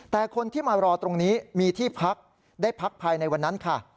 แต่คนที่มารอตรงนี้มีที่พักได้พักภายในวันนั้นค่ะ